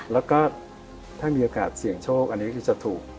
แล้วก็ถ้ามีโอกาสเสี่ยงโชคอันนี้คือจะถูก